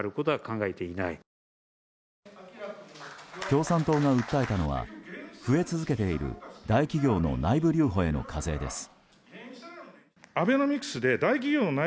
共産党が訴えたのは増え続けている大企業の内部留保への課税です。